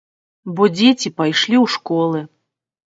Бо дзеці пайшлі ў школы.